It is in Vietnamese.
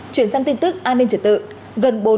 chuyển sang tin tức an ninh trật tự